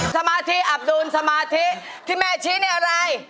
สมาธิอับดูลสมาธิที่แม่ชี้เนี่ยอะไร